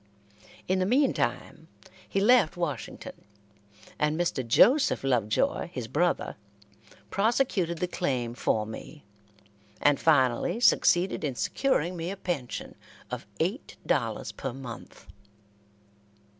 In the meantime he left Washington, and Mr. Joseph Lovejoy, his brother, prosecuted the claim for me, and finally succeeded in securing me a pension of eight dollars per month.